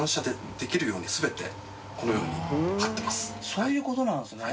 そういう事なんですね。